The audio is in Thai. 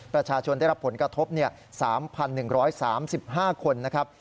ประชาชนได้รับผลกระทบ๓๑๓๕คนนะครับ